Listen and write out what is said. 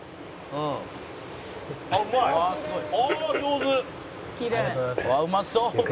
「うわあうまそう！」